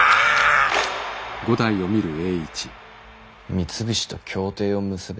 三菱と協定を結べ？